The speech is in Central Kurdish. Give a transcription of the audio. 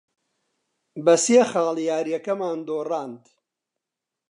بە سێ خاڵ یارییەکەمان دۆڕاند.